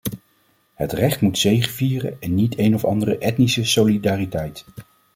Het recht moet zegevieren en niet een of andere etnische solidariteit.